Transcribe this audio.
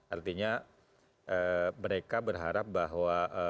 artinya mereka berharap bahwa